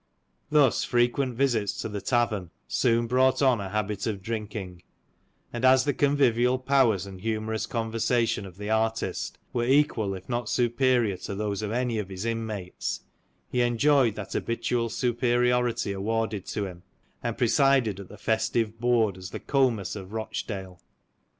Thus fre quent visits to the tavern, soon brought on a habit of drinking ; and as the convivial powers and humourous conversation of the artist, were equal if not superior to those of any of his inmates, he enjoyed that habitual superiority awarded to him, and presided at the festive board as the Comus of Eochdale.